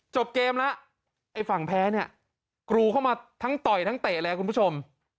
จบเกมแล้วไอ้ฝั่งแพ้เนี่ยกรูเข้ามาทั้งต่อยทั้งเตะเลยคุณผู้ชม